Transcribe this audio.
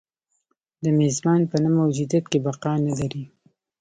د میزبان په نه موجودیت کې بقا نه لري.